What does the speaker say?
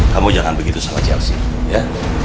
kamu jangan begitu sama chelsea ya